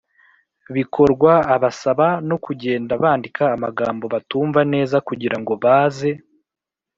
bikorwa. Abasaba no kugenda bandika amagambo batumva neza kugira ngo baze